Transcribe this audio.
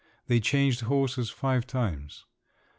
They changed horses five times.